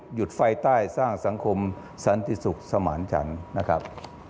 หยุดไฟใต้สร้างสังคมสันติสุขสมานจันทร์นะครับ